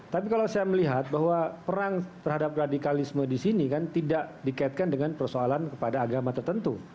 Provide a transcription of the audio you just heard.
tapi kalau saya melihat bahwa perang terhadap radikalisme di sini kan tidak dikaitkan dengan persoalan kepada agama tertentu